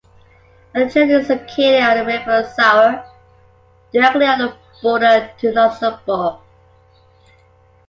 Edingen is located on the river Sauer, directly on the border to Luxembourg.